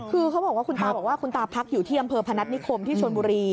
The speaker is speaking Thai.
คือเขาบอกว่าคุณตาบอกว่าคุณตาพักอยู่ที่อำเภอพนัฐนิคมที่ชนบุรี